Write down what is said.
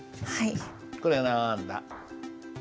これはなんだ？